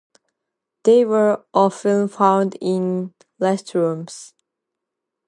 They were often found in restrooms.